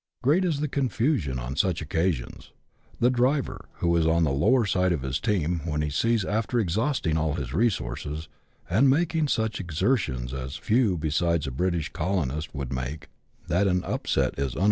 Great is the confusion on such occasions : the driver, who is on the lower side of his team, when he sees, after exhausting all his resources, and making such exertions as few besides a British colonist could make, that an upset is un K 130 BUSH LIFE IN AUSTRALIA. [chap. xii.